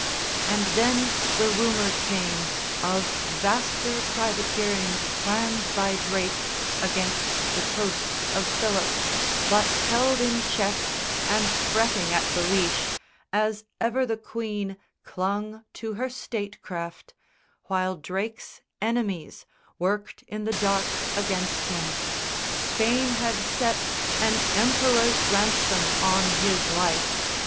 And then the rumour came Of vaster privateerings planned by Drake Against the coasts of Philip; but held in check And fretting at the leash, as ever the Queen Clung to her statecraft, while Drake's enemies Worked in the dark against him. Spain had set An emperor's ransom on his life.